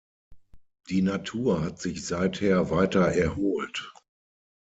Die Natur hat sich seither weiter erholt.